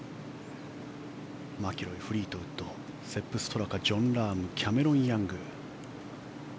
マキロイ、フリートウッドセップ・ストラカジョン・ラームキャメロン・ヤング。